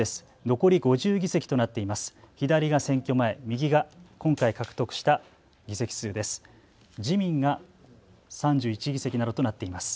残り５０議席となっています。